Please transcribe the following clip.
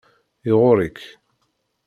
Iɣurr-ik.